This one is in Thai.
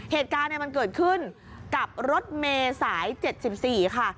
เหตุการณ์มันเกิดขึ้นกับรถเมย์สาย๗๔ค่ะ